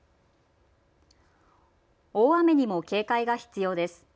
大雨にも警戒が必要です。